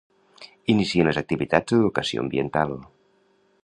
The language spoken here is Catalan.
Inicien les activitats d'educació ambiental.